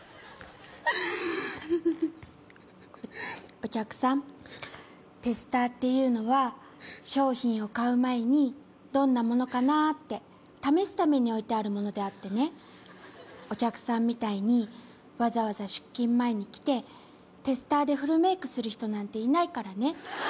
お客さんテスターっていうのは商品を買う前にどんなものかなぁって試すために置いてあるものであってねお客さんみたいにわざわざ出勤前に来てテスターでフルメイクする人いないからね。